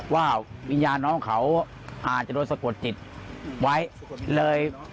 ว่าวิญญาณน้องเขาอาจจะโดนสะกดจิตไว้เลย